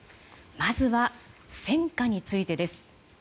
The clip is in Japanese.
まずは戦果についてです。